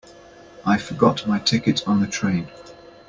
I forgot my ticket on the train.